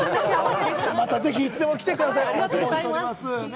またいつでも来てくださいね。